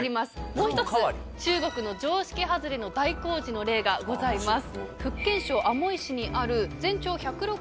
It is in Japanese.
もう一つ中国の常識外れの大工事の例がございます。